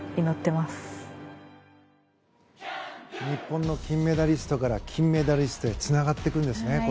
日本の金メダリストから金メダリストへつながっていくんですね